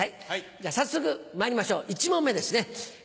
じゃあ早速まいりましょう１問目ですね。